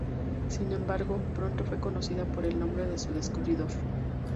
Sin embargo, pronto fue conocida por el nombre de su descubridor.